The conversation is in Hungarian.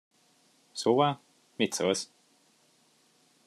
Szóval, mit szólsz?